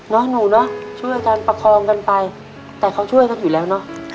หนูเนอะช่วยกันประคองกันไปแต่เขาช่วยกันอยู่แล้วเนอะ